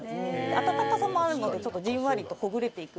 温かさもあるのでじんわりとほぐれていく。